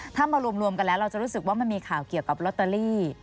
ถ้ามารวมกันแล้วเราจะรู้สึกว่ามันมีข่าวเกี่ยวกับลอตเตอรี่